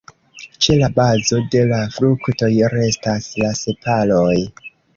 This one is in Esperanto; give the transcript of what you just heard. Ĉe la bazo de la fruktoj restas la sepaloj.